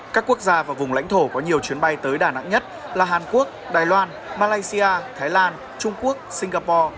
các quốc gia và vùng lãnh thổ có nhiều chuyến bay tới đà nẵng nhất là hàn quốc đài loan malaysia thái lan trung quốc singapore